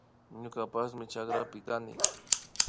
Ñukapashmi chakrapi kani